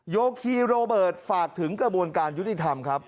โยคีโรเบิร์ตฝากถึงกระบวนการยุติธรรมครับ